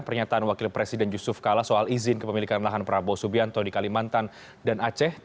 pernyataan wakil presiden yusuf kala soal izin kepemilikan lahan prabowo subianto di kalimantan dan aceh